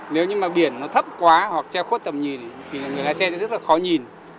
nếu như mà biển nó thấp quá hoặc che khuất tầm nhìn thì người lái xe sẽ rất là khó nhìn